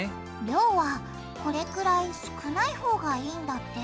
量はこれくらい少ない方がいいんだって。